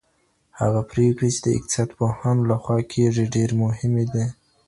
هغه پريکړې چي د اقتصاد پوهانو لخوا کيږي ډيري مهمې دي.